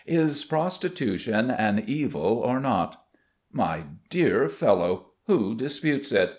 "Is prostitution an evil or not?" "My dear fellow, who disputes it?"